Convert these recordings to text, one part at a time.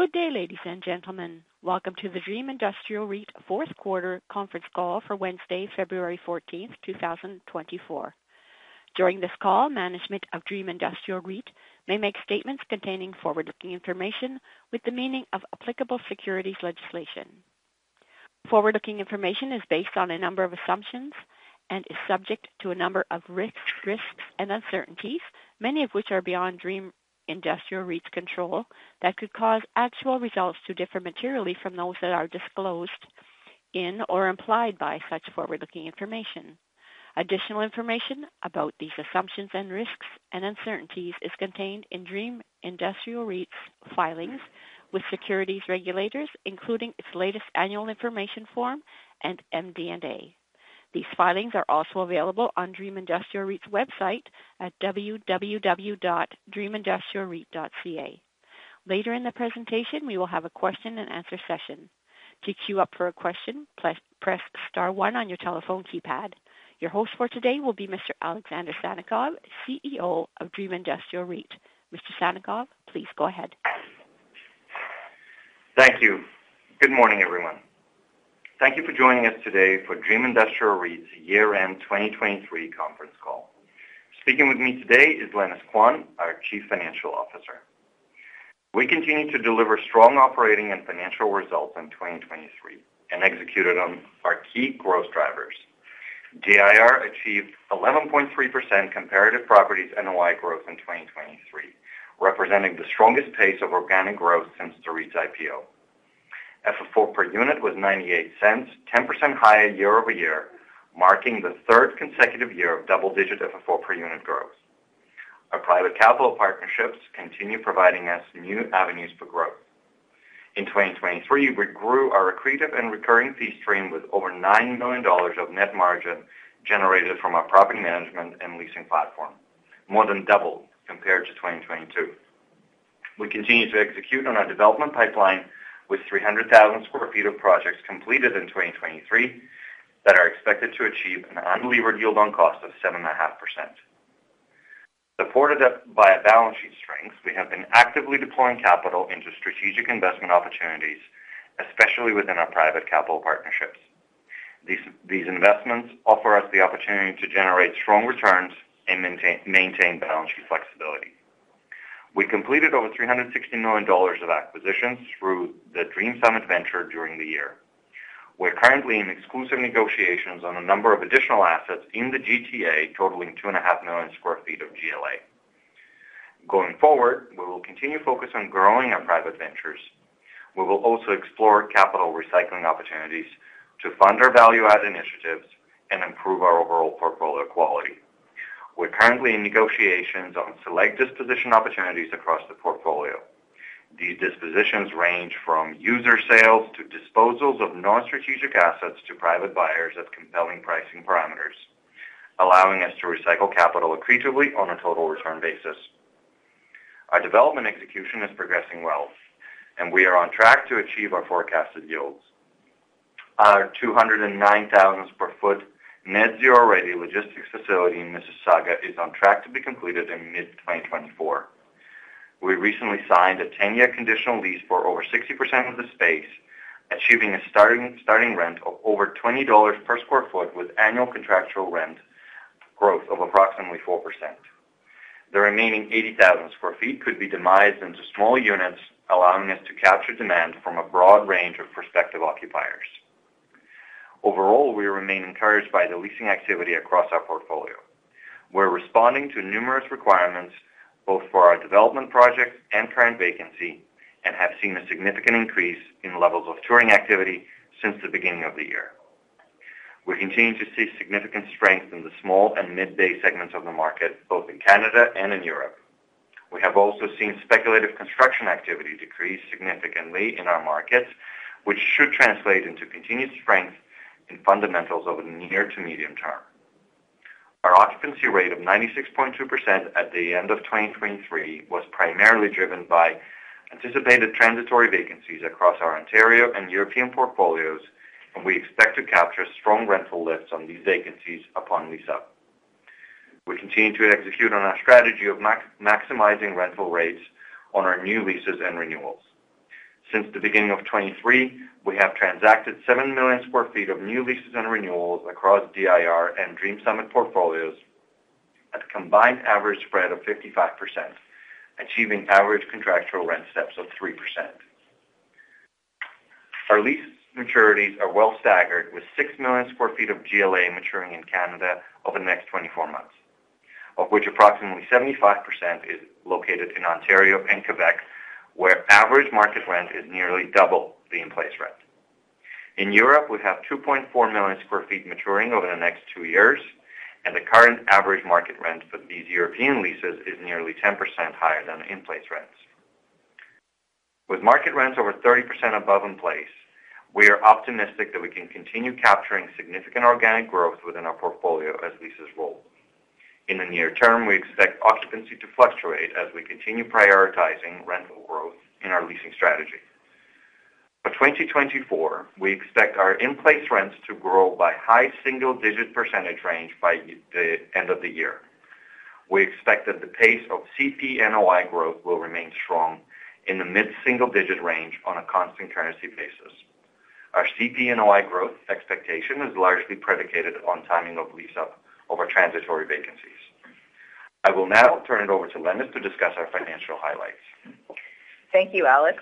Good day, ladies and gentlemen. Welcome to the Dream Industrial REIT fourth quarter conference call for Wednesday, February 14th, 2024. During this call, management of Dream Industrial REIT may make statements containing forward-looking information with the meaning of applicable securities legislation. Forward-looking information is based on a number of assumptions and is subject to a number of risks and uncertainties, many of which are beyond Dream Industrial REIT's control, that could cause actual results to differ materially from those that are disclosed in or implied by such forward-looking information. Additional information about these assumptions and risks and uncertainties is contained in Dream Industrial REIT's filings with securities regulators, including its latest annual information form and MD&A. These filings are also available on Dream Industrial REIT's website at www.dreamindustrialreit.ca. Later in the presentation, we will have a question-and-answer session. To queue up for a question, please press star one on your telephone keypad. Your host for today will be Mr. Alexander Sannikov, CEO of Dream Industrial REIT. Mr. Sannikov, please go ahead. Thank you. Good morning, everyone. Thank you for joining us today for Dream Industrial REIT's year-end 2023 conference call. Speaking with me today is Lenis Quan, our Chief Financial Officer. We continue to deliver strong operating and financial results in 2023 and executed on our key growth drivers. DIR achieved 11.3% comparative properties NOI growth in 2023, representing the strongest pace of organic growth since the REIT's IPO. FFO per unit was 0.98, 10% higher year-over-year, marking the third consecutive year of double-digit FFO per unit growth. Our private capital partnerships continue providing us new avenues for growth. In 2023, we grew our accretive and recurring fee stream with over 9 million dollars of net margin generated from our property management and leasing platform, more than doubled compared to 2022. We continue to execute on our development pipeline with 300,000 sq ft of projects completed in 2023 that are expected to achieve an unlevered yield on cost of 7.5%. Supported by our balance sheet strengths, we have been actively deploying capital into strategic investment opportunities, especially within our private capital partnerships. These investments offer us the opportunity to generate strong returns and maintain balance sheet flexibility. We completed over 360 million dollars of acquisitions through the Dream Summit Venture during the year. We're currently in exclusive negotiations on a number of additional assets in the GTA, totaling 2.5 million sq ft of GLA. Going forward, we will continue focus on growing our private ventures. We will also explore capital recycling opportunities to fund our value-add initiatives and improve our overall portfolio quality. We're currently in negotiations on select disposition opportunities across the portfolio. These dispositions range from user sales to disposals of non-strategic assets to private buyers at compelling pricing parameters, allowing us to recycle capital accretively on a total return basis. Our development execution is progressing well, and we are on track to achieve our forecasted yields. Our 209,000-sq-ft net-zero ready logistics facility in Mississauga is on track to be completed in mid-2024. We recently signed a 10-year conditional lease for over 60% of the space, achieving a starting rent of over 20 dollars per sq ft with annual contractual rent growth of approximately 4%. The remaining 80,000 sq ft could be devised into small units, allowing us to capture demand from a broad range of prospective occupiers. Overall, we remain encouraged by the leasing activity across our portfolio. We're responding to numerous requirements, both for our development projects and current vacancy, and have seen a significant increase in levels of touring activity since the beginning of the year. We continue to see significant strength in the small and mid-bay segments of the market, both in Canada and in Europe. We have also seen speculative construction activity decrease significantly in our markets, which should translate into continued strength in fundamentals over the near to medium term. Our occupancy rate of 96.2% at the end of 2023 was primarily driven by anticipated transitory vacancies across our Ontario and European portfolios, and we expect to capture strong rental lifts on these vacancies upon lease-up. We continue to execute on our strategy of maximizing rental rates on our new leases and renewals. Since the beginning of 2023, we have transacted 7 million sq ft of new leases and renewals across DIR and Dream Summit portfolios at a combined average spread of 55%, achieving average contractual rent steps of 3%. Our lease maturities are well-staggered with 6 million sq ft of GLA maturing in Canada over the next 24 months, of which approximately 75% is located in Ontario and Quebec, where average market rent is nearly double the in-place rent. In Europe, we have 2.4 million sq ft maturing over the next two years, and the current average market rent for these European leases is nearly 10% higher than in-place rents. With market rents over 30% above in-place, we are optimistic that we can continue capturing significant organic growth within our portfolio as leases roll. In the near term, we expect occupancy to fluctuate as we continue prioritizing rental growth in our leasing strategy. For 2024, we expect our in-place rents to grow by high single-digit percentage range by the end of the year. We expect that the pace of CP/NOI growth will remain strong in the mid-single-digit range on a constant currency basis. Our CP/NOI growth expectation is largely predicated on timing of lease-up over transitory vacancies. I will now turn it over to Lenis to discuss our financial highlights. Thank you, Alex.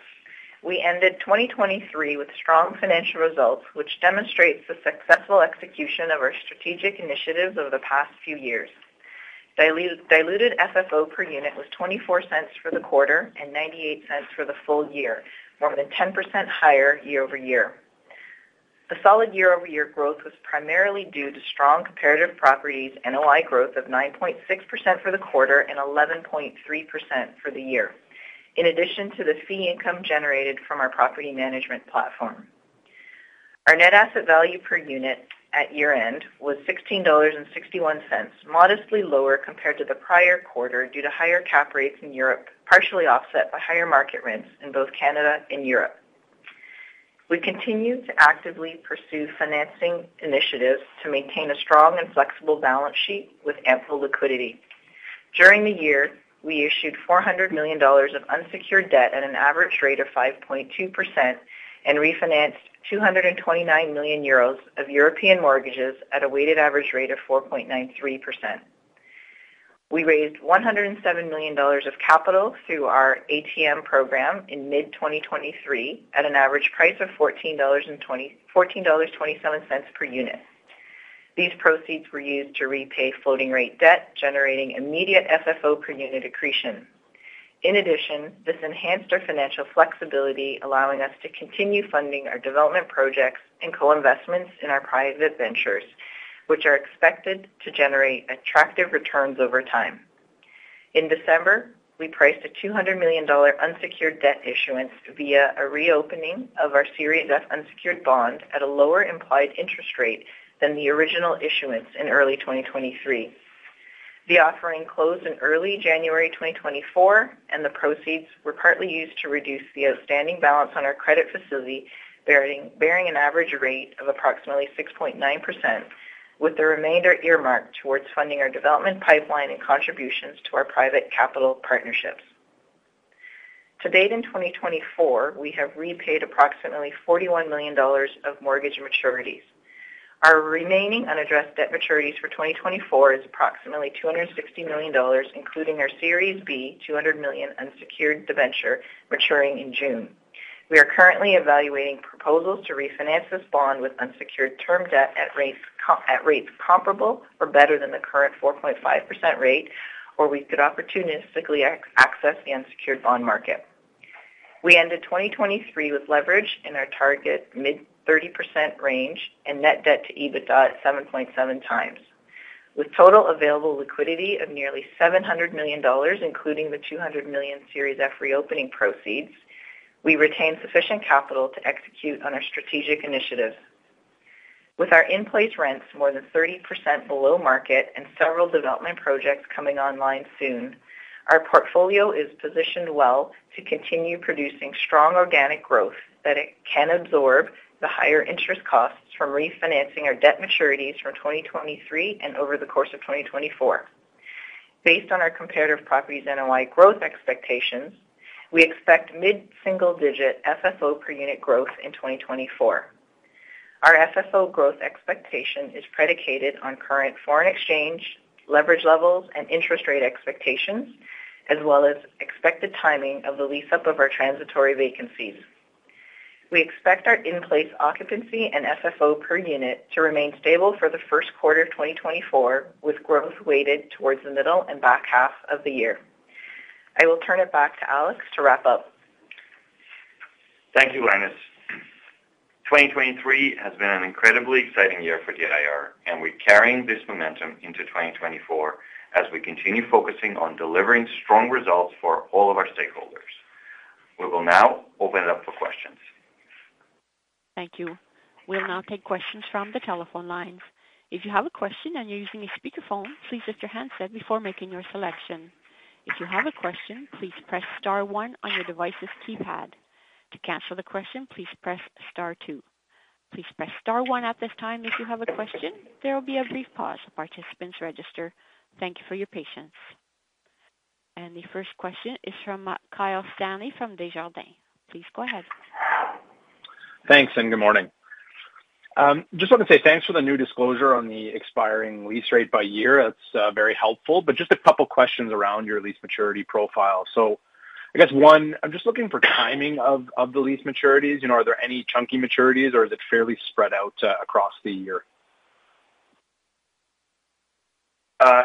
We ended 2023 with strong financial results, which demonstrates the successful execution of our strategic initiatives over the past few years. Diluted FFO per unit was 0.24 for the quarter and 0.98 for the full year, more than 10% higher year-over-year. The solid year-over-year growth was primarily due to strong comparative properties NOI growth of 9.6% for the quarter and 11.3% for the year, in addition to the fee income generated from our property management platform. Our net asset value per unit at year-end was 16.61 dollars, modestly lower compared to the prior quarter due to higher cap rates in Europe, partially offset by higher market rents in both Canada and Europe. We continue to actively pursue financing initiatives to maintain a strong and flexible balance sheet with ample liquidity. During the year, we issued 400 million dollars of unsecured debt at an average rate of 5.2% and refinanced 229 million euros of European mortgages at a weighted average rate of 4.93%. We raised 107 million dollars of capital through our ATM program in mid-2023 at an average price of CAD 14.27 per unit. These proceeds were used to repay floating-rate debt, generating immediate FFO per unit accretion. In addition, this enhanced our financial flexibility, allowing us to continue funding our development projects and co-investments in our private ventures, which are expected to generate attractive returns over time. In December, we priced a 200 million dollar unsecured debt issuance via a reopening of our Series F Unsecured Bond at a lower implied interest rate than the original issuance in early 2023. The offering closed in early January 2024, and the proceeds were partly used to reduce the outstanding balance on our credit facility, bearing an average rate of approximately 6.9%, with the remainder earmarked towards funding our development pipeline and contributions to our private capital partnerships. To date in 2024, we have repaid approximately 41 million dollars of mortgage maturities. Our remaining unaddressed debt maturities for 2024 is approximately 260 million dollars, including our Series B 200 million unsecured debenture maturing in June. We are currently evaluating proposals to refinance this bond with unsecured term debt at rates comparable or better than the current 4.5% rate, or we could opportunistically access the unsecured bond market. We ended 2023 with leverage in our target mid-30% range and net debt to EBITDA at 7.7x. With total available liquidity of nearly 700 million dollars, including the 200 million Series F reopening proceeds, we retain sufficient capital to execute on our strategic initiatives. With our in-place rents more than 30% below market and several development projects coming online soon, our portfolio is positioned well to continue producing strong organic growth that can absorb the higher interest costs from refinancing our debt maturities from 2023 and over the course of 2024. Based on our comparative properties NOI growth expectations, we expect mid-single-digit FFO per unit growth in 2024. Our FFO growth expectation is predicated on current foreign exchange leverage levels and interest rate expectations, as well as expected timing of the lease-up of our transitory vacancies. We expect our in-place occupancy and FFO per unit to remain stable for the first quarter of 2024, with growth weighted towards the middle and back half of the year. I will turn it back to Alex to wrap up. Thank you, Lenis. 2023 has been an incredibly exciting year for DIR, and we're carrying this momentum into 2024 as we continue focusing on delivering strong results for all of our stakeholders. We will now open it up for questions. Thank you. We'll now take questions from the telephone lines. If you have a question and you're using a speakerphone, please lift your handset before making your selection. If you have a question, please press star one on your device's keypad. To cancel the question, please press star two. Please press star one at this time. If you have a question, there will be a brief pause. The participants register. Thank you for your patience. The first question is from Kyle Stanley from Desjardins. Please go ahead. Thanks and good morning. Just want to say thanks for the new disclosure on the expiring lease rate by year. That's very helpful. But just a couple of questions around your lease maturity profile. So I guess, one, I'm just looking for timing of the lease maturities. Are there any chunky maturities, or is it fairly spread out across the year?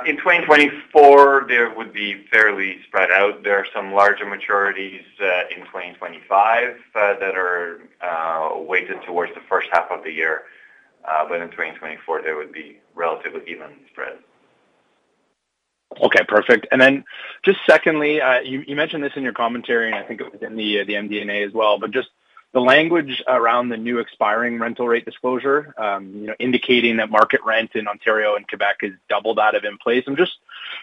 In 2024, there would be fairly spread out. There are some larger maturities in 2025 that are weighted towards the first half of the year, but in 2024, there would be relatively even spread. Okay. Perfect. And then just secondly, you mentioned this in your commentary, and I think it was in the MD&A as well, but just the language around the new expiring rental rate disclosure indicating that market rent in Ontario and Quebec has doubled out of in place. I'm just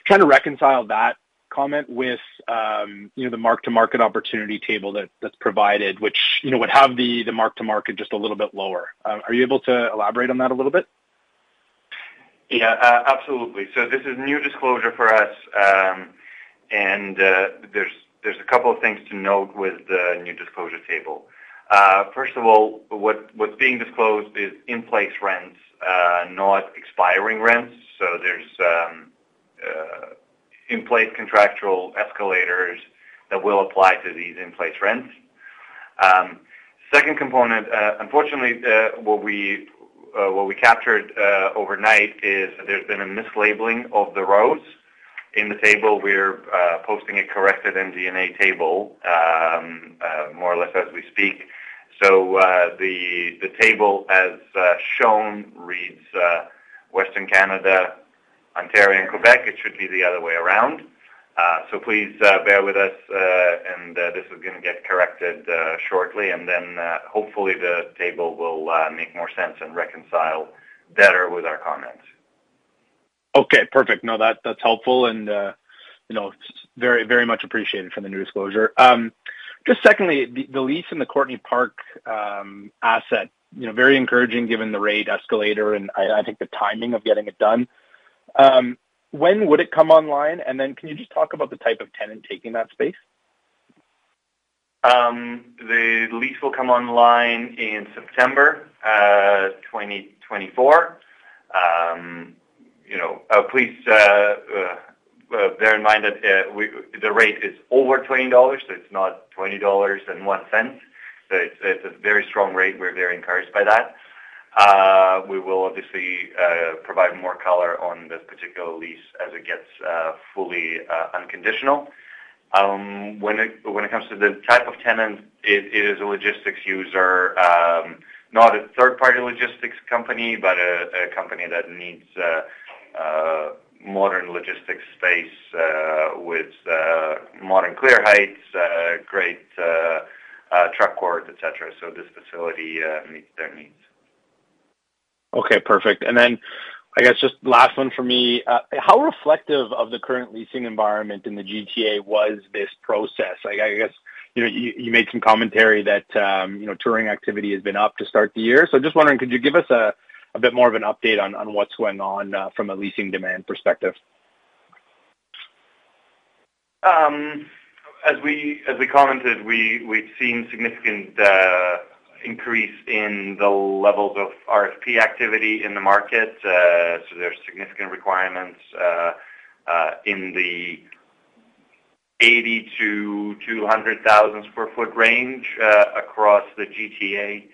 trying to reconcile that comment with the Mark-to-Market opportunity table that's provided, which would have the Mark-to-Market just a little bit lower. Are you able to elaborate on that a little bit? Yeah. Absolutely. So this is new disclosure for us, and there's a couple of things to note with the new disclosure table. First of all, what's being disclosed is in-place rents, not expiring rents. So there's in-place contractual escalators that will apply to these in-place rents. Second component, unfortunately, what we captured overnight is there's been a mislabeling of the rows in the table. We're posting a corrected MD&A table more or less as we speak. So the table, as shown, reads Western Canada, Ontario, and Quebec. It should be the other way around. So please bear with us, and this is going to get corrected shortly. And then hopefully, the table will make more sense and reconcile better with our comments. Okay. Perfect. No, that's helpful and very, very much appreciated from the new disclosure. Just secondly, the lease in the Courtneypark asset, very encouraging given the rate escalator and I think the timing of getting it done. When would it come online? And then can you just talk about the type of tenant taking that space? The lease will come online in September 2024. Please bear in mind that the rate is over $20, so it's not $20.01. So it's a very strong rate. We're very encouraged by that. We will obviously provide more color on this particular lease as it gets fully unconditional. When it comes to the type of tenant, it is a logistics user, not a third-party logistics company, but a company that needs modern logistics space with modern clear heights, great truck court, etc. So this facility meets their needs. Okay. Perfect. And then I guess just last one for me. How reflective of the current leasing environment in the GTA was this process? I guess you made some commentary that touring activity has been up to start the year. So just wondering, could you give us a bit more of an update on what's going on from a leasing demand perspective? As we commented, we've seen significant increase in the levels of RFP activity in the market. So there's significant requirements in the 80,000 sq ft-200,000 sq ft range across the GTA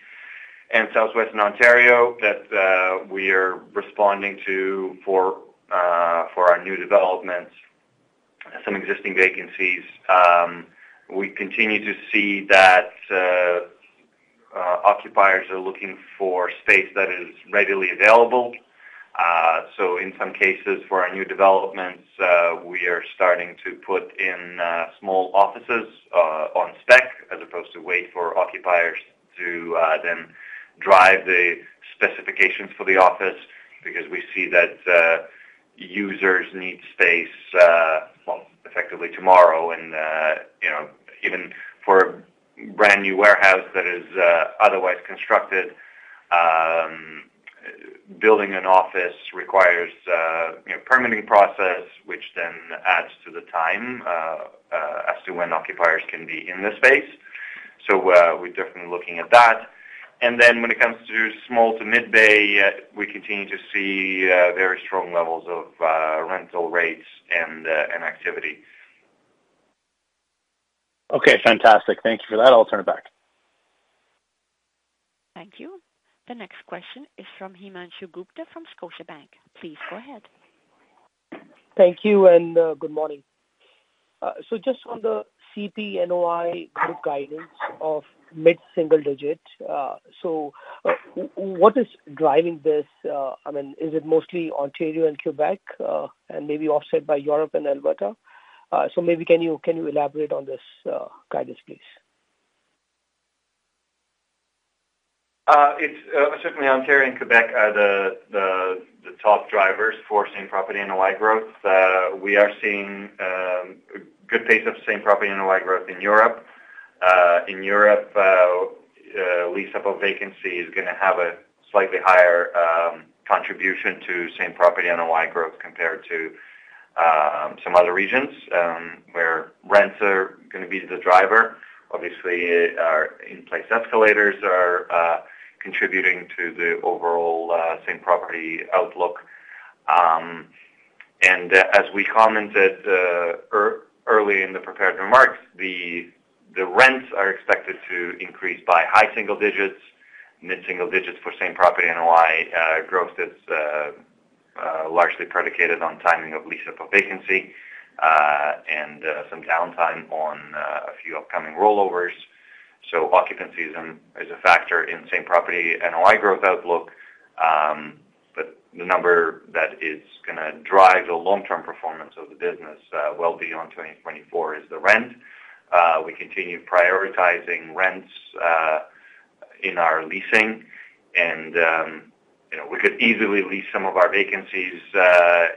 and Southwestern Ontario that we are responding to for our new developments, some existing vacancies. We continue to see that occupiers are looking for space that is readily available. So in some cases, for our new developments, we are starting to put in small offices on spec as opposed to wait for occupiers to then drive the specifications for the office because we see that users need space, well, effectively tomorrow. And even for a brand new warehouse that is otherwise constructed, building an office requires a permitting process, which then adds to the time as to when occupiers can be in the space. So we're definitely looking at that. When it comes to small to mid-bay, we continue to see very strong levels of rental rates and activity. Okay. Fantastic. Thank you for that. I'll turn it back. Thank you. The next question is from Himanshu Gupta from Scotiabank. Please go ahead. Thank you and good morning. So just on the CP NOI growth guidance of mid-single digit, so what is driving this? I mean, is it mostly Ontario and Quebec and maybe offset by Europe and Alberta? So maybe can you elaborate on this guidance, please? Certainly, Ontario and Quebec are the top drivers for same property NOI growth. We are seeing a good pace of same property NOI growth in Europe. In Europe, lease-up of vacancy is going to have a slightly higher contribution to same property NOI growth compared to some other regions where rents are going to be the driver. Obviously, our in-place escalators are contributing to the overall same property outlook. And as we commented early in the prepared remarks, the rents are expected to increase by high single digits, mid-single digits for same property NOI growth that's largely predicated on timing of lease-up of vacancy, and some downtime on a few upcoming rollovers. So occupancy is a factor in same property NOI growth outlook. But the number that is going to drive the long-term performance of the business well beyond 2024 is the rent. We continue prioritizing rents in our leasing, and we could easily lease some of our vacancies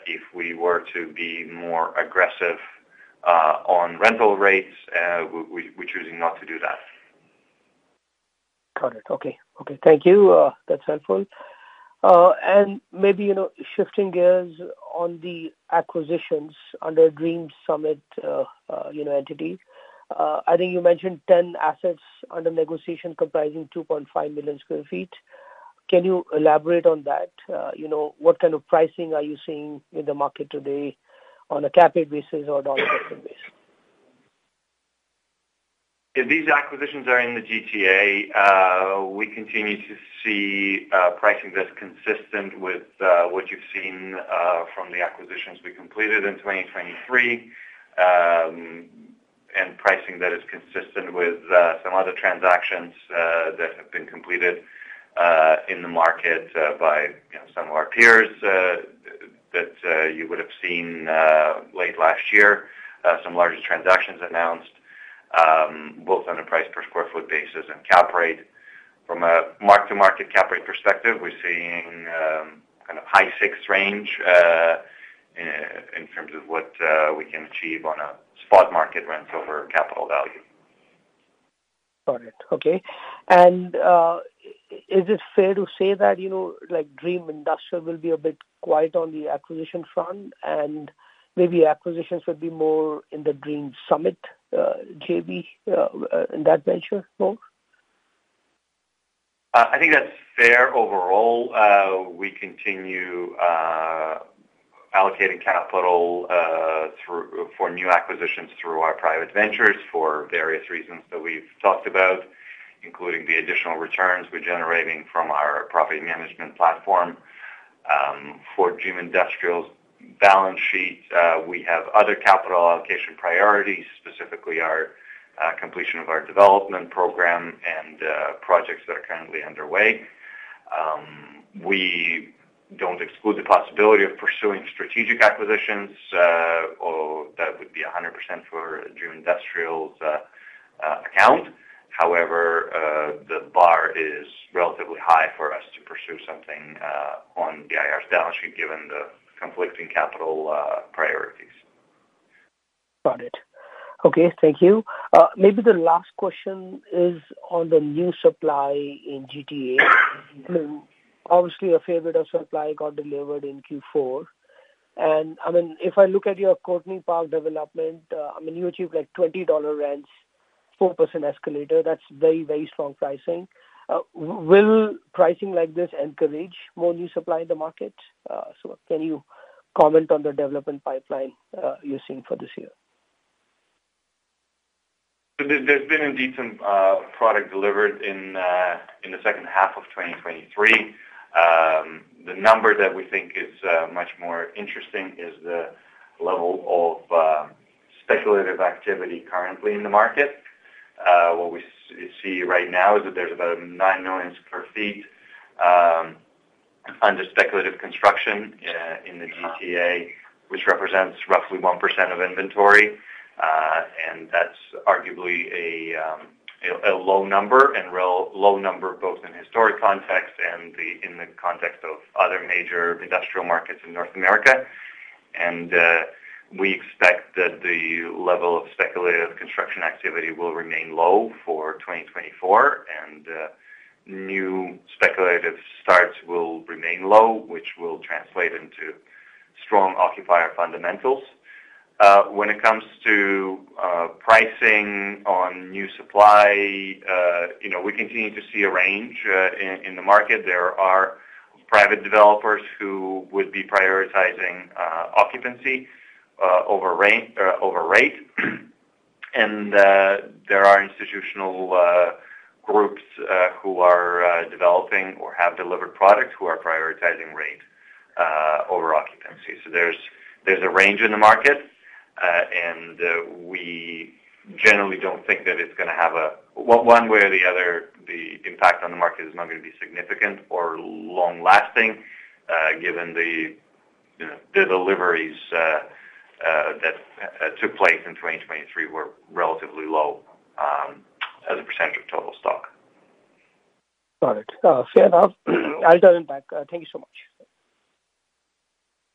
if we were to be more aggressive on rental rates. We're choosing not to do that. Got it. Okay. Okay. Thank you. That's helpful. Maybe shifting gears on the acquisitions under Dream Summit entity. I think you mentioned 10 assets under negotiation comprising 2.5 million sq ft. Can you elaborate on that? What kind of pricing are you seeing in the market today on a capping basis or dollar-costing basis? If these acquisitions are in the GTA, we continue to see pricing that's consistent with what you've seen from the acquisitions we completed in 2023 and pricing that is consistent with some other transactions that have been completed in the market by some of our peers that you would have seen late last year, some larger transactions announced both on a price per square foot basis and cap rate. From a mark-to-market cap rate perspective, we're seeing kind of high 6 range in terms of what we can achieve on a spot market rent over capital value. Got it. Okay. And is it fair to say that Dream Industrial will be a bit quiet on the acquisition front, and maybe acquisitions would be more in the Dream Summit JV in that venture more? I think that's fair overall. We continue allocating capital for new acquisitions through our private ventures for various reasons that we've talked about, including the additional returns we're generating from our property management platform. For Dream Industrial's balance sheet, we have other capital allocation priorities, specifically our completion of our development program and projects that are currently underway. We don't exclude the possibility of pursuing strategic acquisitions. That would be 100% for Dream Industrial's account. However, the bar is relatively high for us to pursue something on DIR's balance sheet given the conflicting capital priorities. Got it. Okay. Thank you. Maybe the last question is on the new supply in GTA. Obviously, a fair bit of supply got delivered in Q4. I mean, if I look at your Courtneypark development, I mean, you achieved 20 dollar rents, 4% escalator. That's very, very strong pricing. Will pricing like this encourage more new supply in the market? So can you comment on the development pipeline you're seeing for this year? There's been indeed some product delivered in the second half of 2023. The number that we think is much more interesting is the level of speculative activity currently in the market. What we see right now is that there's about 9 million sq ft under speculative construction in the GTA, which represents roughly 1% of inventory. That's arguably a low number and low number both in historic context and in the context of other major industrial markets in North America. We expect that the level of speculative construction activity will remain low for 2024, and new speculative starts will remain low, which will translate into strong occupier fundamentals. When it comes to pricing on new supply, we continue to see a range in the market. There are private developers who would be prioritizing occupancy over rate, and there are institutional groups who are developing or have delivered products who are prioritizing rate over occupancy. So there's a range in the market, and we generally don't think that it's going to have a one way or the other. The impact on the market is not going to be significant or long-lasting given the deliveries that took place in 2023 were relatively low as a percentage of total stock. Got it. Fair enough. I'll turn it back. Thank you so much.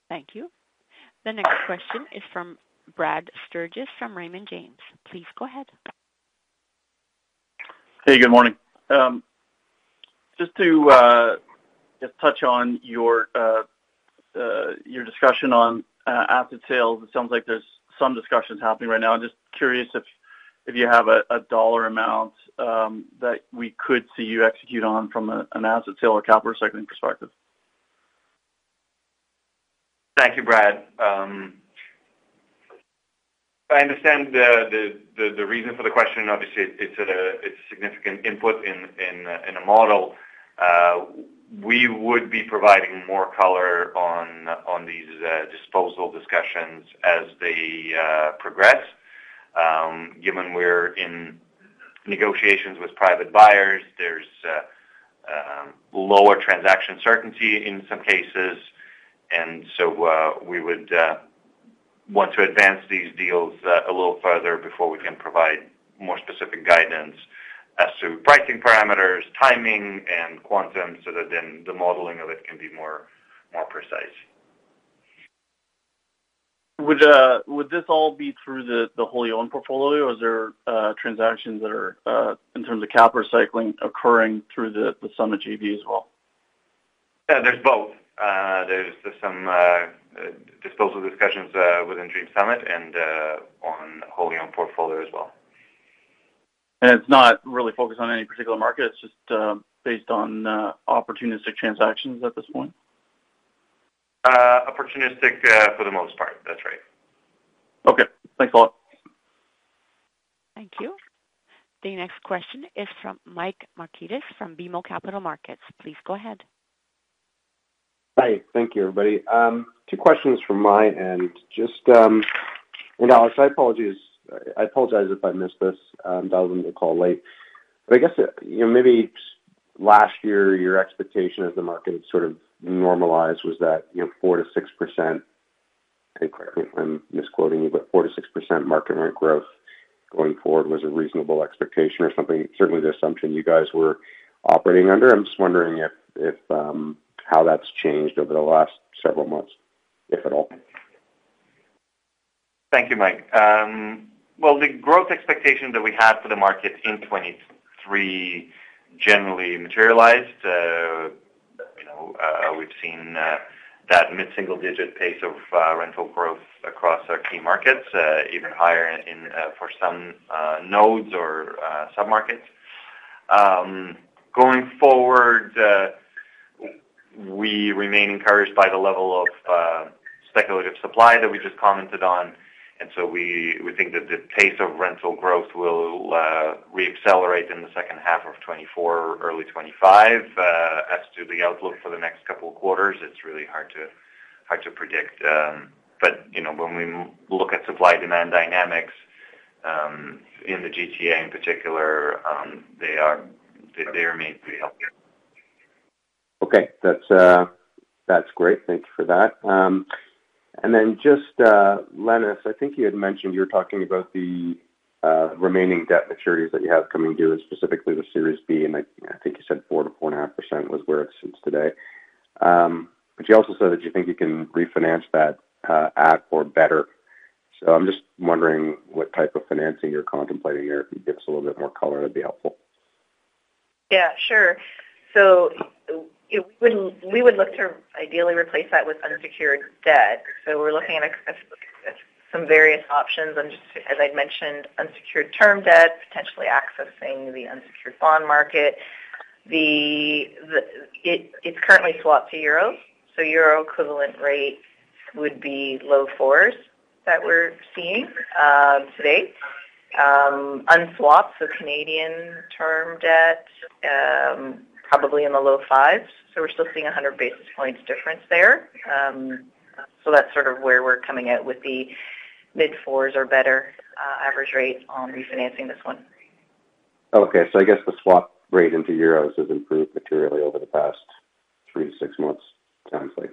Thank you. The next question is from Brad Sturges from Raymond James. Please go ahead. Hey. Good morning. Just to touch on your discussion on asset sales, it sounds like there's some discussions happening right now. I'm just curious if you have a dollar amount that we could see you execute on from an asset sale or capital recycling perspective? Thank you, Brad. I understand the reason for the question. Obviously, it's a significant input in a model. We would be providing more color on these disposal discussions as they progress. Given we're in negotiations with private buyers, there's lower transaction certainty in some cases. And so we would want to advance these deals a little further before we can provide more specific guidance as to pricing parameters, timing, and quantum so that then the modeling of it can be more precise. Would this all be through the wholly-owned portfolio, or is there transactions that are in terms of capital recycling occurring through the Summit JV as well? Yeah. There's both. There's some disposal discussions within Dream Summit and on wholly-owned portfolio as well. And it's not really focused on any particular market? It's just based on opportunistic transactions at this point? Opportunistic for the most part. That's right. Okay. Thanks a lot. Thank you. The next question is from Mike Markidis from BMO Capital Markets. Please go ahead. Hi. Thank you, everybody. Two questions from my end. And Alex, I apologize if I missed this. Dialed into the call late. But I guess maybe last year, your expectation as the market had sort of normalized was that 4%-6% I think, correct me if I'm misquoting you, but 4%-6% market rent growth going forward was a reasonable expectation or something. Certainly, the assumption you guys were operating under. I'm just wondering how that's changed over the last several months, if at all. Thank you, Mike. Well, the growth expectation that we had for the market in 2023 generally materialized. We've seen that mid-single digit pace of rental growth across our key markets, even higher for some nodes or submarkets. Going forward, we remain encouraged by the level of speculative supply that we just commented on. And so we think that the pace of rental growth will reaccelerate in the second half of 2024, early 2025. As to the outlook for the next couple of quarters, it's really hard to predict. But when we look at supply-demand dynamics in the GTA in particular, they remain pretty healthy. Okay. That's great. Thank you for that. And then just, Lenis, I think you had mentioned you were talking about the remaining debt maturities that you have coming due and specifically the Series B. And I think you said 4%-4.5% was where it sits today. But you also said that you think you can refinance that at or better. So I'm just wondering what type of financing you're contemplating there. If you could give us a little bit more color, that'd be helpful. Yeah. Sure. So we would look to ideally replace that with unsecured debt. So we're looking at some various options. As I'd mentioned, unsecured term debt, potentially accessing the unsecured bond market. It's currently swapped to euros. So euro equivalent rate would be low fours that we're seeing today. Unswapped, so Canadian term debt, probably in the low fives. So we're still seeing 100 basis points difference there. So that's sort of where we're coming out with the mid-fours or better average rate on refinancing this one. Okay. So I guess the swap rate into euros has improved materially over the past three-six months, it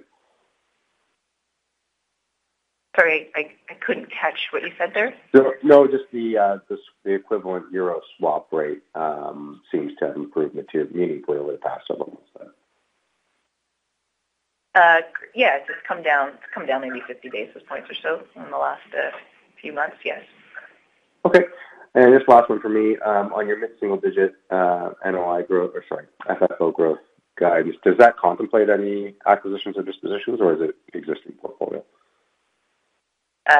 sounds like. Sorry. I couldn't catch what you said there. No. Just the equivalent Euro swap rate seems to have improved meaningfully over the past several months, though. Yeah. It's come down maybe 50 basis points or so in the last few months. Yes. Okay. And just last one for me. On your mid-single digit NOI growth or sorry, FFO growth guidance, does that contemplate any acquisitions or dispositions, or is it existing portfolio?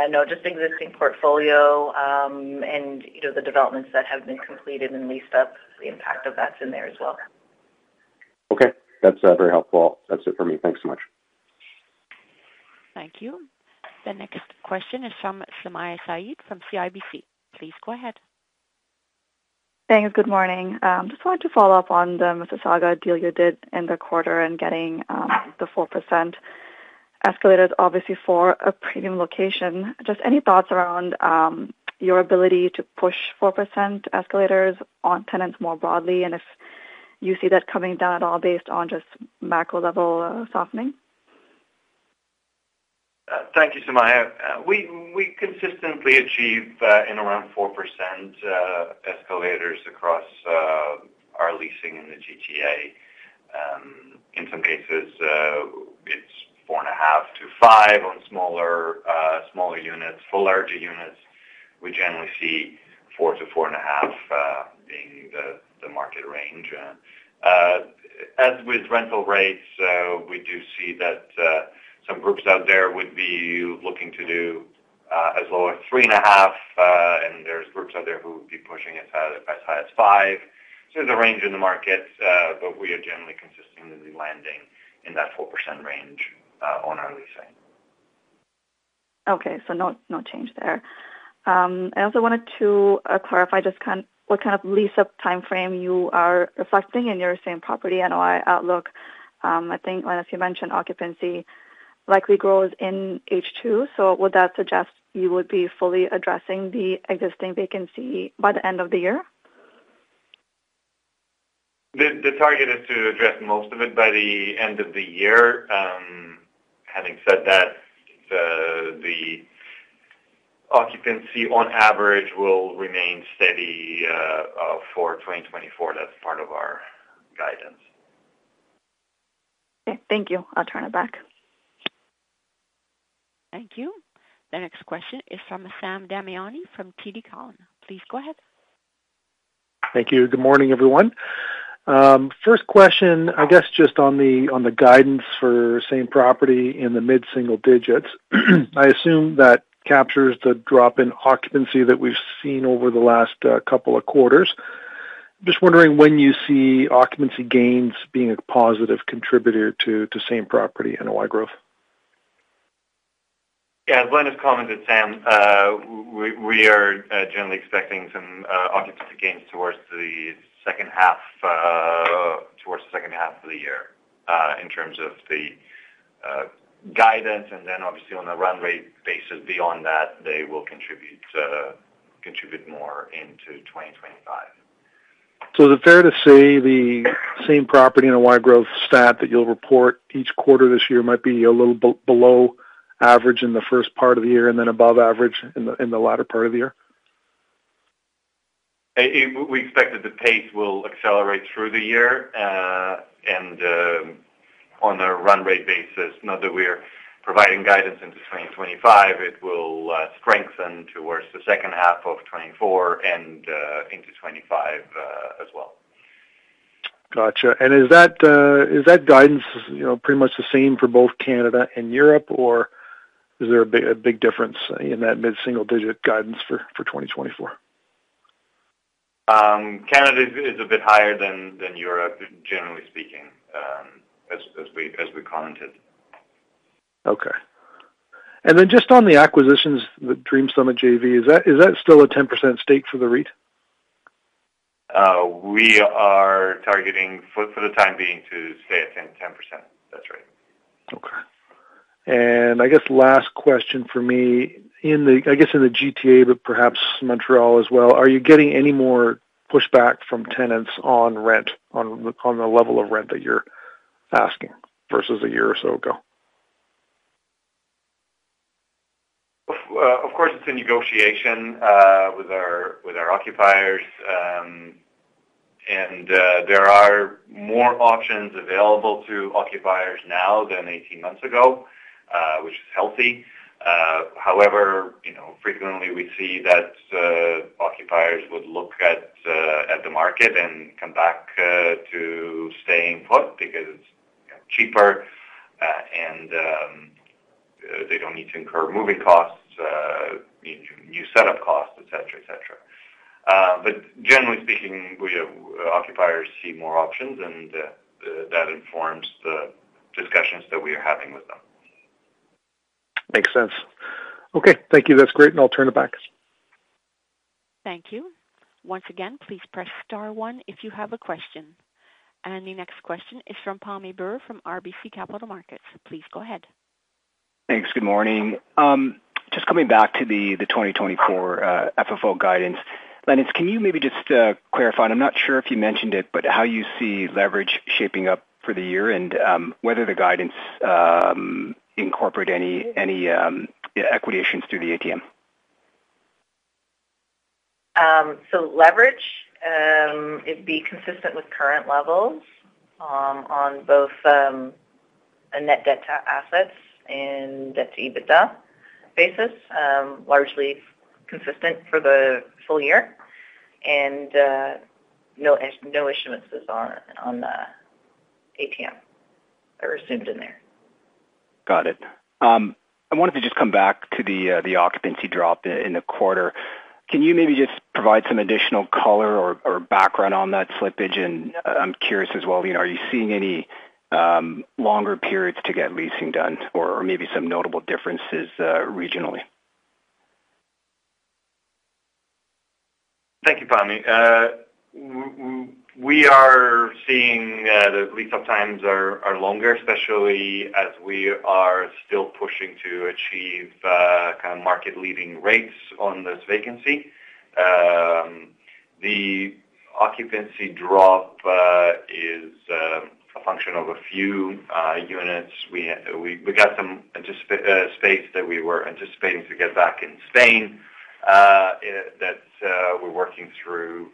No. Just existing portfolio and the developments that have been completed and leased up. The impact of that's in there as well. Okay. That's very helpful. That's it for me. Thanks so much. Thank you. The next question is from Sumayya Syed from CIBC. Please go ahead. Thanks. Good morning. Just wanted to follow up on the Mississauga deal you did in the quarter and getting the 4% escalators, obviously, for a premium location. Just any thoughts around your ability to push 4% escalators on tenants more broadly and if you see that coming down at all based on just macro-level softening? Thank you, Sumayya. We consistently achieve in around 4% escalators across our leasing in the GTA. In some cases, it's 4.5-5 on smaller units. For larger units, we generally see 4-4.5 being the market range. As with rental rates, we do see that some groups out there would be looking to do as low as 3.5, and there's groups out there who would be pushing it as high as 5. So there's a range in the market, but we are generally consistently landing in that 4% range on our leasing. Okay. So no change there. I also wanted to clarify just what kind of lease-up timeframe you are reflecting in your same property NOI outlook. I think, Lenis, you mentioned occupancy likely grows in H2. So would that suggest you would be fully addressing the existing vacancy by the end of the year? The target is to address most of it by the end of the year. Having said that, the occupancy on average will remain steady for 2024. That's part of our guidance. Okay. Thank you. I'll turn it back. Thank you. The next question is from Sam Damiani from TD Cowen. Please go ahead. Thank you. Good morning, everyone. First question, I guess, just on the guidance for same property in the mid-single digits. I assume that captures the drop in occupancy that we've seen over the last couple of quarters. Just wondering when you see occupancy gains being a positive contributor to same property NOI growth? Yeah. As Lenis commented, Sam, we are generally expecting some occupancy gains towards the second half towards the second half of the year in terms of the guidance. And then, obviously, on a run-rate basis, beyond that, they will contribute more into 2025. So is it fair to say the same property NOI growth stat that you'll report each quarter this year might be a little below average in the first part of the year and then above average in the latter part of the year? We expect that the pace will accelerate through the year. On a run-rate basis, now that we're providing guidance into 2025, it will strengthen towards the second half of 2024 and into 2025 as well. Gotcha. And is that guidance pretty much the same for both Canada and Europe, or is there a big difference in that mid-single digit guidance for 2024? Canada is a bit higher than Europe, generally speaking, as we commented. Okay. And then just on the acquisitions, the Dream Summit JV, is that still a 10% stake for the REIT? We are targeting, for the time being, to stay at 10%. That's right. Okay. I guess last question for me. I guess in the GTA, but perhaps Montreal as well, are you getting any more pushback from tenants on the level of rent that you're asking versus a year or so ago? Of course, it's a negotiation with our occupiers. There are more options available to occupiers now than 18 months ago, which is healthy. However, frequently, we see that occupiers would look at the market and come back to staying put because it's cheaper, and they don't need to incur moving costs, new setup costs, etc., etc. But generally speaking, occupiers see more options, and that informs the discussions that we are having with them. Makes sense. Okay. Thank you. That's great. I'll turn it back. Thank you. Once again, please press star one if you have a question. The next question is from Pammi Bir from RBC Capital Markets. Please go ahead. Thanks. Good morning. Just coming back to the 2024 FFO guidance, Lenis, can you maybe just clarify? And I'm not sure if you mentioned it, but how you see leverage shaping up for the year and whether the guidance incorporate any equitizations through the ATM. Leverage, it'd be consistent with current levels on both a net debt to assets and debt to EBITDA basis, largely consistent for the full year. No issuance on the ATM are assumed in there. Got it. I wanted to just come back to the occupancy drop in the quarter. Can you maybe just provide some additional color or background on that slippage? And I'm curious as well, are you seeing any longer periods to get leasing done or maybe some notable differences regionally? Thank you, Pammi. We are seeing the lease-up times are longer, especially as we are still pushing to achieve kind of market-leading rates on this vacancy. The occupancy drop is a function of a few units. We got some space that we were anticipating to get back in Spain that we're working through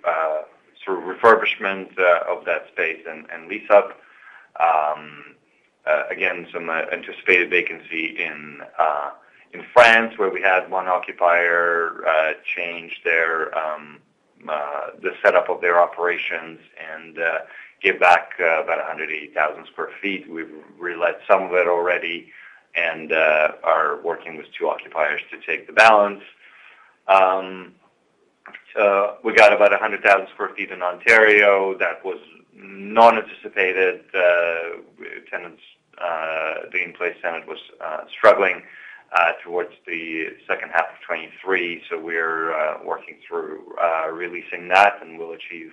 refurbishment of that space and lease-up. Again, some anticipated vacancy in France where we had one occupier change the setup of their operations and give back about 180,000 sq ft. We've relet some of it already and are working with two occupiers to take the balance. We got about 100,000 sq ft in Ontario. That was non-anticipated. The in-place tenant was struggling towards the second half of 2023. So we're working through releasing that, and we'll achieve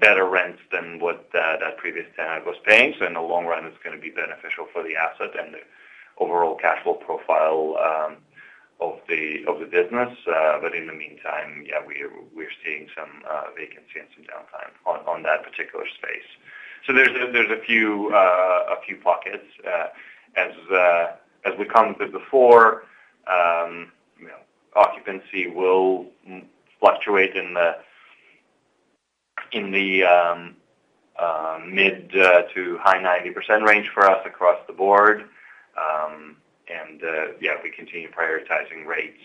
better rents than what that previous tenant was paying. So in the long run, it's going to be beneficial for the asset and the overall cash flow profile of the business. But in the meantime, yeah, we're seeing some vacancy and some downtime on that particular space. So there's a few pockets. As we commented before, occupancy will fluctuate in the mid- to high-90% range for us across the board. And yeah, we continue prioritizing rates.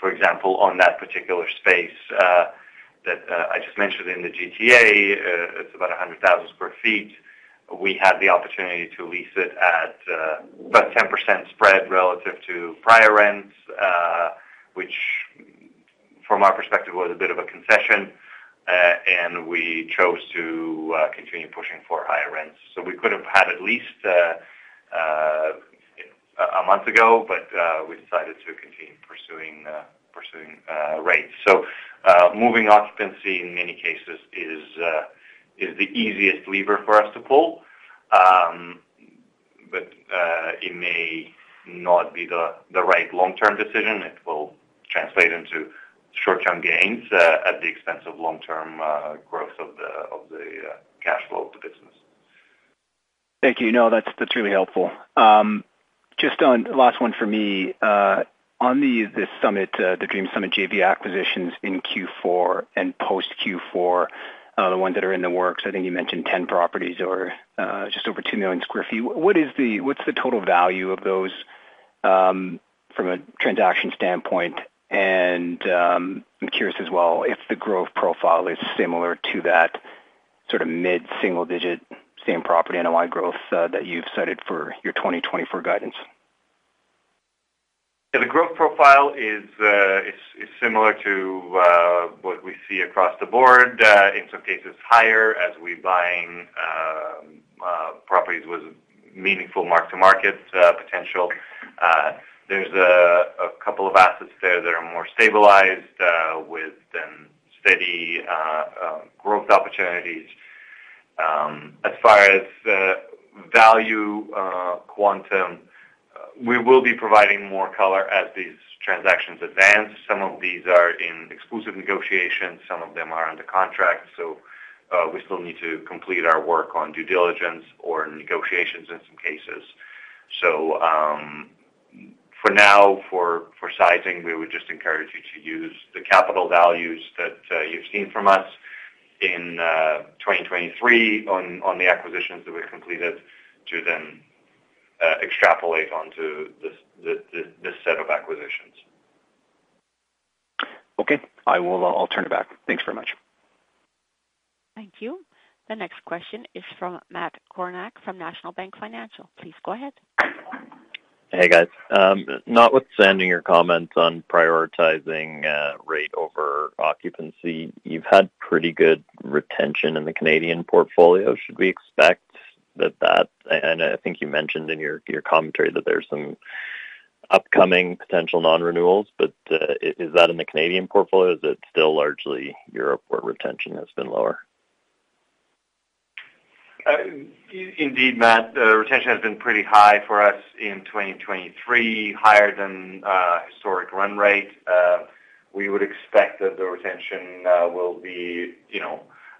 For example, on that particular space that I just mentioned in the GTA, it's about 100,000 sq ft. We had the opportunity to lease it at about 10% spread relative to prior rents, which from our perspective, was a bit of a concession. And we chose to continue pushing for higher rents. So we could have had at least a month ago, but we decided to continue pursuing rates. Moving occupancy, in many cases, is the easiest lever for us to pull, but it may not be the right long-term decision. It will translate into short-term gains at the expense of long-term growth of the cash flow of the business. Thank you. No, that's really helpful. Just last one for me. On this Summit, the Dream Summit JV acquisitions in Q4 and post-Q4, the ones that are in the works, I think you mentioned 10 properties or just over 2 million sq ft. What's the total value of those from a transaction standpoint? And I'm curious as well if the growth profile is similar to that sort of mid-single digit same property NOI growth that you've cited for your 2024 guidance. Yeah. The growth profile is similar to what we see across the board, in some cases higher as we're buying properties with meaningful Mark-to-Market potential. There's a couple of assets there that are more stabilized with then steady growth opportunities. As far as value quantum, we will be providing more color as these transactions advance. Some of these are in exclusive negotiations. Some of them are under contract. So we still need to complete our work on due diligence or negotiations in some cases. So for now, for sizing, we would just encourage you to use the capital values that you've seen from us in 2023 on the acquisitions that we've completed to then extrapolate onto this set of acquisitions. Okay. I'll turn it back. Thanks very much. Thank you. The next question is from Matt Kornack from National Bank Financial. Please go ahead. Hey, guys. Notwithstanding your comments on prioritizing rate over occupancy, you've had pretty good retention in the Canadian portfolio. Should we expect that that and I think you mentioned in your commentary that there's some upcoming potential non-renewals. But is that in the Canadian portfolio? Is it still largely Europe where retention has been lower? Indeed, Matt. Retention has been pretty high for us in 2023, higher than historic run rate. We would expect that the retention will be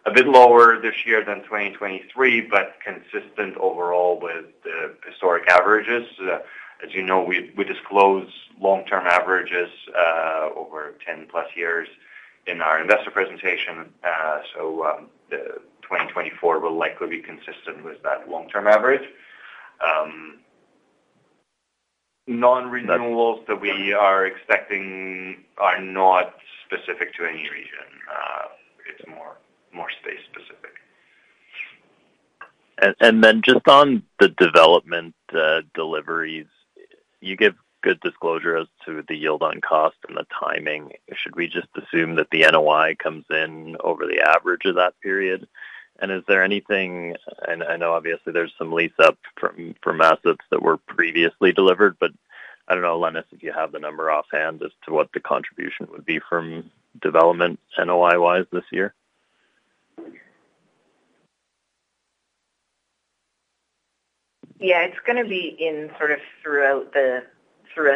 a bit lower this year than 2023 but consistent overall with the historic averages. As you know, we disclose long-term averages over 10+ years in our investor presentation. So 2024 will likely be consistent with that long-term average. Non-renewals that we are expecting are not specific to any region. It's more space-specific. Then just on the development deliveries, you give good disclosure as to the yield on cost and the timing. Should we just assume that the NOI comes in over the average of that period? And is there anything and I know, obviously, there's some lease-up from assets that were previously delivered. But I don't know, Lenis, if you have the number offhand as to what the contribution would be from development NOI-wise this year. Yeah. It's going to be sort of throughout the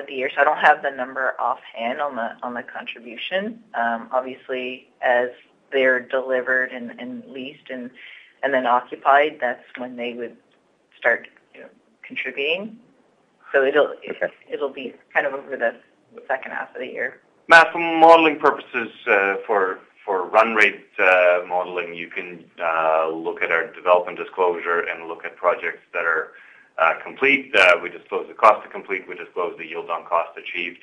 year. So I don't have the number offhand on the contribution. Obviously, as they're delivered and leased and then occupied, that's when they would start contributing. So it'll be kind of over the second half of the year. Matt, for modeling purposes, for run-rate modeling, you can look at our development disclosure and look at projects that are complete. We disclose the cost of completion. We disclose the yield on cost achieved.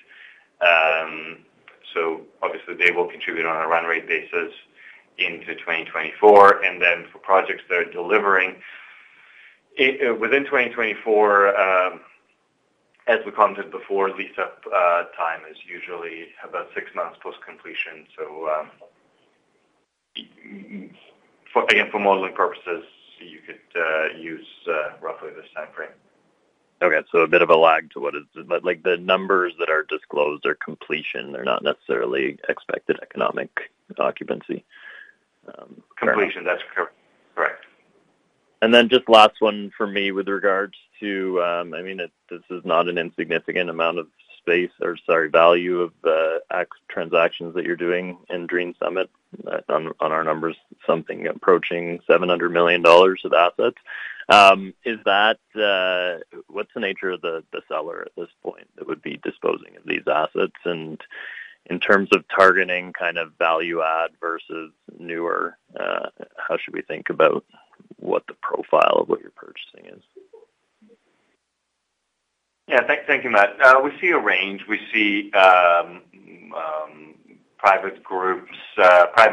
So obviously, they will contribute on a run-rate basis into 2024. And then for projects that are delivering within 2024, as we commented before, lease-up time is usually about six months post-completion. So again, for modeling purposes, you could use roughly this time frame. Okay. So a bit of a lag to what is the numbers that are disclosed are completion. They're not necessarily expected economic occupancy. Completion. That's correct. And then just last one for me with regards to I mean, this is not an insignificant amount of space or, sorry, value of transactions that you're doing in Dream Summit on our numbers, something approaching 700 million dollars of assets. What's the nature of the seller at this point that would be disposing of these assets? And in terms of targeting kind of value-add versus newer, how should we think about the profile of what you're purchasing is? Yeah. Thank you, Matt. We see a range. We see private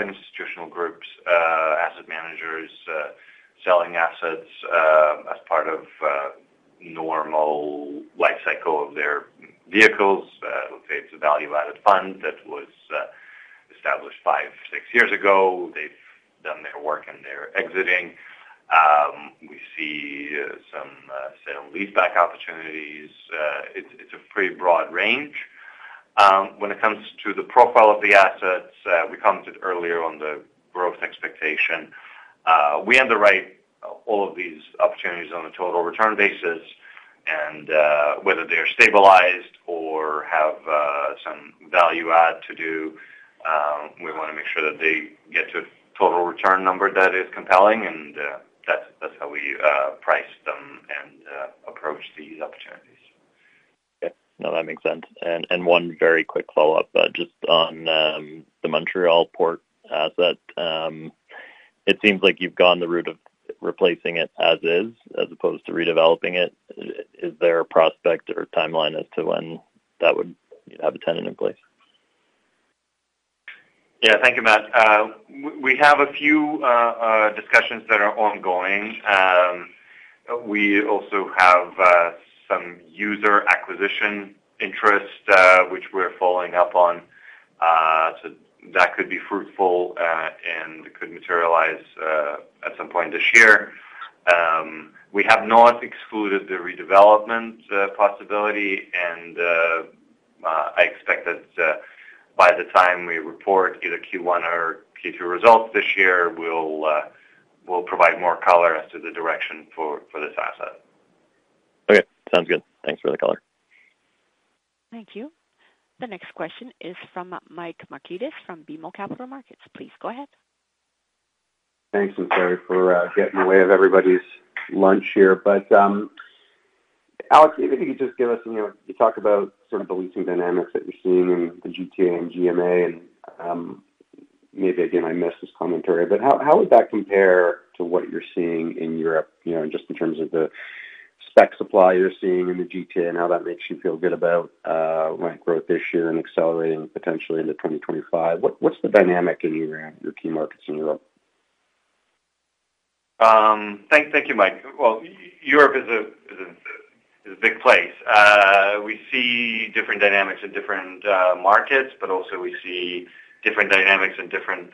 institutional groups, asset managers selling assets as part of normal life cycle of their vehicles. Let's say it's a value-added fund that was established 5, 6 years ago. They've done their work, and they're exiting. We see some lease-back opportunities. It's a pretty broad range. When it comes to the profile of the assets, we commented earlier on the growth expectation. We underwrite all of these opportunities on a total return basis. And whether they are stabilized or have some value-add to do, we want to make sure that they get to a total return number that is compelling. And that's how we price them and approach these opportunities. Okay. No, that makes sense. One very quick follow-up just on the Montreal port asset. It seems like you've gone the route of replacing it as is as opposed to redeveloping it. Is there a prospect or timeline as to when that would have a tenant in place? Yeah. Thank you, Matt. We have a few discussions that are ongoing. We also have some user acquisition interest, which we're following up on. So that could be fruitful and could materialize at some point this year. We have not excluded the redevelopment possibility. I expect that by the time we report either Q1 or Q2 results this year, we'll provide more color as to the direction for this asset. Okay. Sounds good. Thanks for the color. Thank you. The next question is from Mike Markidis from BMO Capital Markets. Please go ahead. Thanks, Luzari, for getting in the way of everybody's lunch here. But Alex, maybe if you could just give us you talk about sort of the leasing dynamics that you're seeing in the GTA and GMA. And maybe, again, I missed this commentary. But how would that compare to what you're seeing in Europe just in terms of the spec supply you're seeing in the GTA and how that makes you feel good about rent growth this year and accelerating potentially into 2025? What's the dynamic in your key markets in Europe? Thank you, Mike. Well, Europe is a big place. We see different dynamics in different markets, but also we see different dynamics in different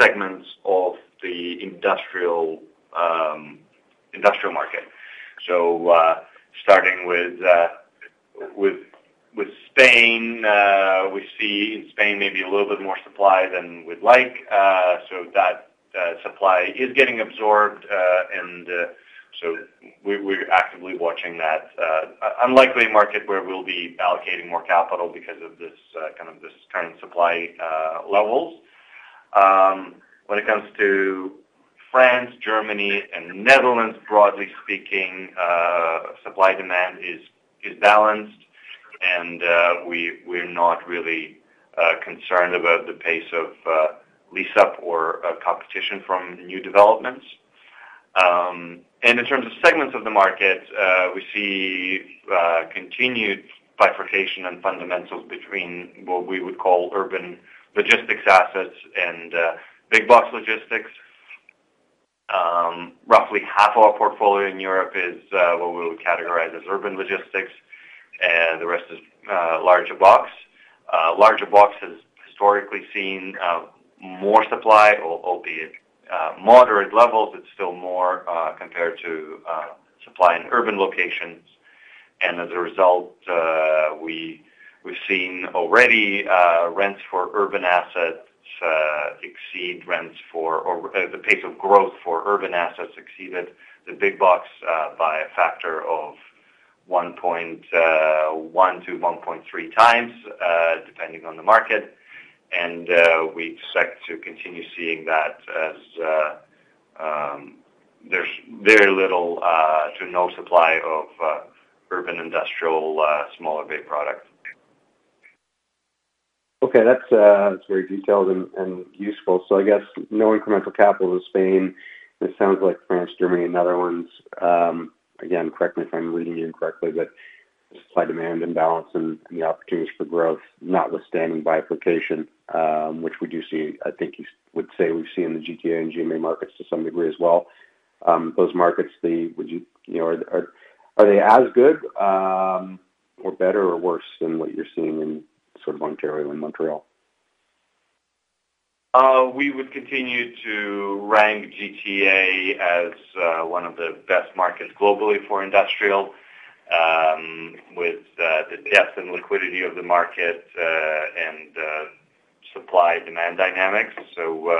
segments of the industrial market. So starting with Spain, we see in Spain maybe a little bit more supply than we'd like. So that supply is getting absorbed. And so we're actively watching that. Unlikely a market where we'll be allocating more capital because of kind of this current supply levels. When it comes to France, Germany, and Netherlands, broadly speaking, supply-demand is balanced. And we're not really concerned about the pace of lease-up or competition from new developments. And in terms of segments of the market, we see continued bifurcation and fundamentals between what we would call urban logistics assets and big-box logistics. Roughly half of our portfolio in Europe is what we would categorize as urban logistics. The rest is larger box. Larger box has historically seen more supply, albeit moderate levels. It's still more compared to supply in urban locations. As a result, we've seen already rents for urban assets exceed rents for or the pace of growth for urban assets exceeded the big box by a factor of 1.1-1.3 times depending on the market. We expect to continue seeing that as there's very little to no supply of urban industrial smaller bay product. Okay. That's very detailed and useful. So I guess no incremental capital to Spain. It sounds like France, Germany, and Netherlands. Again, correct me if I'm reading you incorrectly, but supply-demand imbalance and the opportunities for growth notwithstanding bifurcation, which we do see I think you would say we've seen in the GTA and GMA markets to some degree as well. Those markets, are they as good or better or worse than what you're seeing in sort of Ontario and Montreal? We would continue to rank GTA as one of the best markets globally for industrial with the depth and liquidity of the market and supply-demand dynamics. So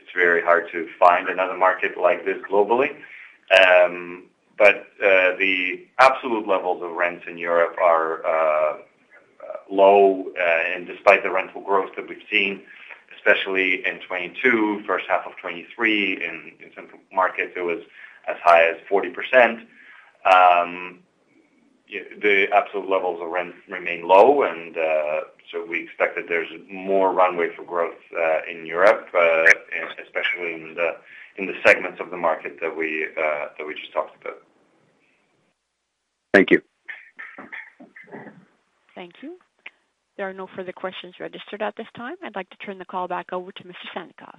it's very hard to find another market like this globally. But the absolute levels of rents in Europe are low. And despite the rental growth that we've seen, especially in 2022, first half of 2023, in some markets, it was as high as 40%. The absolute levels of rents remain low. And so we expect that there's more runway for growth in Europe, especially in the segments of the market that we just talked about. Thank you. Thank you. There are no further questions registered at this time. I'd like to turn the call back over to Mr. Sannikov.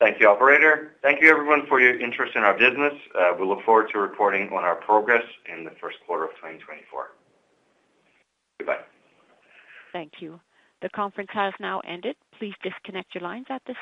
Thank you, operator. Thank you, everyone, for your interest in our business. We look forward to reporting on our progress in the first quarter of 2024. Goodbye. Thank you. The conference has now ended. Please disconnect your lines at this.